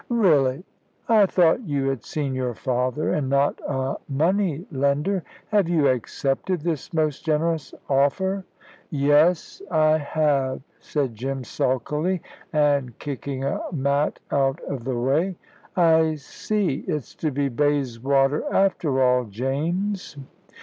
"Really! I thought you had seen your father, and not a money lender. Have you accepted this most generous offer?" "Yes, I have," said Jim, sulkily, and kicking a mat out of the way. "I see. It's to be Bayswater after all, James."